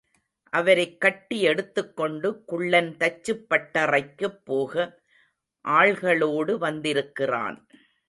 அவரைக் கட்டி எடுத்துக்கொண்டு குள்ளன் தச்சுப் பட்டறைக்குப் போக ஆள்களோடு வந்திருக்கிறான்.